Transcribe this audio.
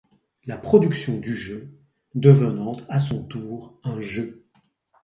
La production du jeu devenant à son tour un jeu.